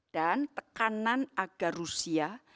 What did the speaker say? dan tekanan agar rusia